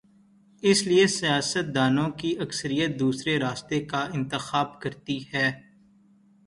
اس لیے سیاست دانوں کی اکثریت دوسرے راستے کا انتخاب کر تی ہے۔